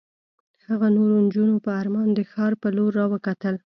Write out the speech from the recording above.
هغه نورو نجونو په ارمان د ښار په لور را وکتل.